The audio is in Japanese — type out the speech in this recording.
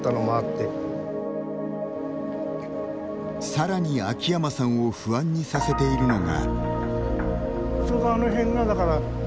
さらに秋山さんを不安にさせているのが。